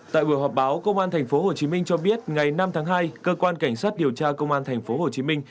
tại buổi họp báo công an tp hcm cho biết ngày năm tháng hai cơ quan cảnh sát điều tra công an tp hcm